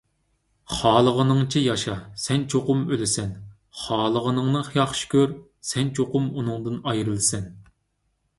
خالىغىنىڭچە ياشا، سەن چوقۇم ئۆلىسەن. خالىغىنىڭنى ياخشى كۆر، سەن چوقۇم ئۇنىڭدىن ئايرىلىسەن.